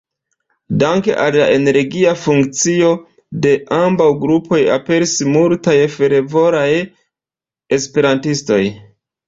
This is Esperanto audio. Danke al la energia funkcio de ambaŭ grupoj aperis multaj fervoraj esperantistoj.